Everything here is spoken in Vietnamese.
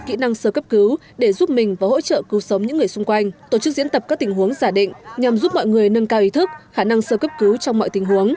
kỹ năng sơ cấp cứu để giúp mình và hỗ trợ cứu sống những người xung quanh tổ chức diễn tập các tình huống giả định